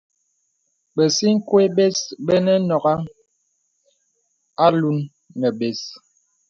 Bə̀sikwe bes bə̄ nə̀ nɔ̀ghaŋ alūn nə̀ bès.